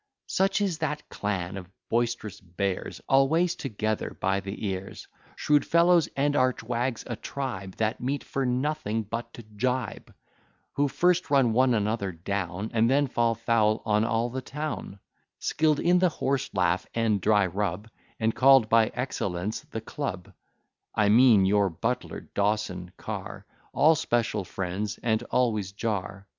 Such is that clan of boisterous bears, Always together by the ears; Shrewd fellows and arch wags, a tribe That meet for nothing but to gibe; Who first run one another down, And then fall foul on all the town; Skill'd in the horse laugh and dry rub, And call'd by excellence The Club. I mean your butler, Dawson, Car, All special friends, and always jar.